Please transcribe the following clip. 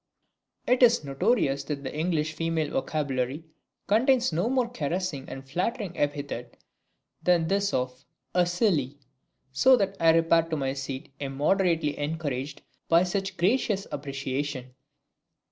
It is notorious that the English female vocabulary contains no more caressing and flattering epithet than this of "a silly," so that I repaired to my seat immoderately encouraged by such gracious appreciation.